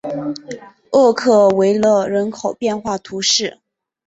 厄克维勒人口变化图示